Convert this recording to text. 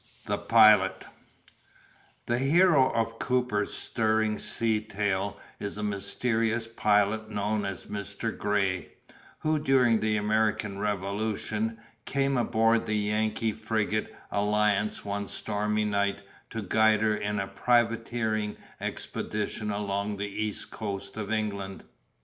THE PILOT The hero of Cooper's stirring sea tale is a mysterious Pilot known as Mr. Gray, who, during the American Revolution, came aboard the Yankee frigate Alliance one stormy night to guide her in a privateering expedition along the east coast of England.